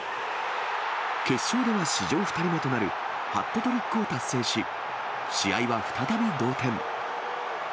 決勝では史上２人目となる、ハットトリックを達成し、試合は再び同点。